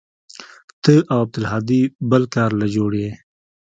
ته او عبدالهادي بل كار له جوړ يې.